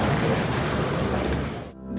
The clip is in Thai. ยังไหว